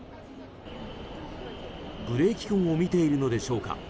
ブレーキ痕を見ているのでしょうか。